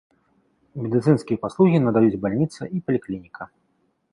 Медыцынскія паслугі надаюць бальніца і паліклініка.